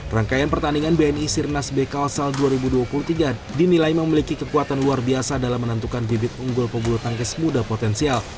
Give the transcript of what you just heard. rangkaian pertandingan bni sirnas b kalsal dua ribu dua puluh tiga dinilai memiliki kekuatan luar biasa dalam menentukan bibit unggul pebulu tangkis muda potensial